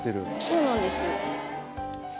そうなんです。